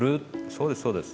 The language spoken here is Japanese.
そうですそうです。